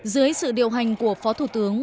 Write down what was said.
dưới sự điều hành của phó thủ tướng